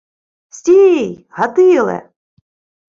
— Стій, Гатиле!